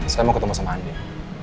saya mau ketemu sama andi